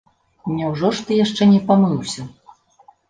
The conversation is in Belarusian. Няўжо ж ты яшчэ не памыўся?